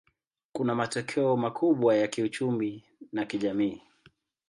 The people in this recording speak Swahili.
Kuna matokeo makubwa ya kiuchumi na kijamii.